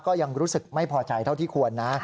ก็ยังรู้สึกไม่พอใจเท่าที่ควรนะ